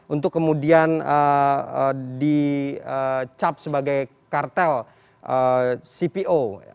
untuk kemudian dicap sebagai kartel cpo